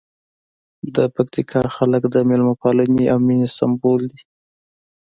د پکتیکا خلک د مېلمه پالنې او مینې سمبول دي.